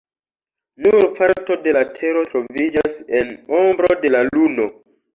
Nur parto de la tero troviĝas en ombro de la luno.